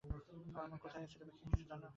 আমার মা কোথায় আছে, তুমি কি কিছু জানো?